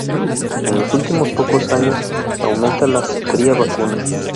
En los últimos pocos años aumenta la cría vacuna.